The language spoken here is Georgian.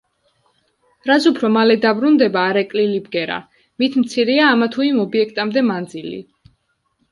რაც უფრო მალე დაბრუნდება არეკლილი ბგერა, მით მცირეა ამა თუ იმ ობიექტამდე მანძილი.